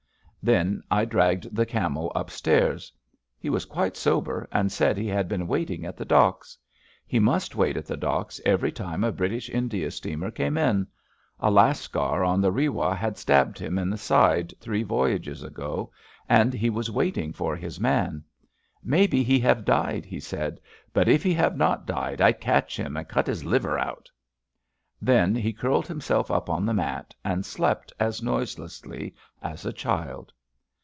'^ Then I dragged the Camel upstairs. He was quite sober, and said he had been waiting at the docks. He must wait at the docks every time a British India steamer came in. A lascar on the Rewah had stabbed him in the side three voyages ago, and he was waiting for his man. Maybe he have died,'* he said; but if he have not died I catch him and cut his liver out." Then he curled himself up on the mat, and slept as noise lessly as a child.